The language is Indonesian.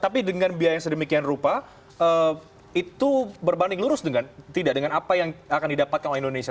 tapi dengan biaya yang sedemikian rupa itu berbanding lurus dengan tidak dengan apa yang akan didapatkan oleh indonesia